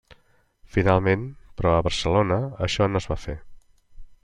Finalment, però, a Barcelona, això no es va fer.